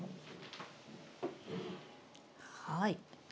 はい。